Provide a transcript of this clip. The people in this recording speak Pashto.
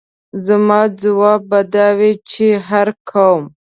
زما ځواب به دا وي چې هر قوم.